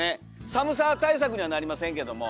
寒さ対策にはなりませんけども。